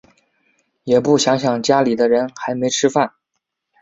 也不想想家里的人还没吃饭